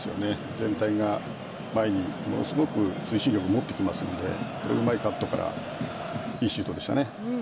全体が前にものすごく推進力を持ってきますのでうまいカットからいいシュートでしたね。